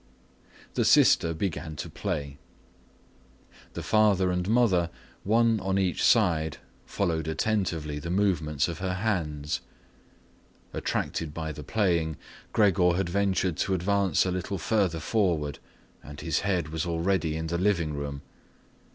The sister began to play. The father and mother, one on each side, followed attentively the movements of her hands. Attracted by the playing, Gregor had ventured to advance a little further forward and his head was already in the living room.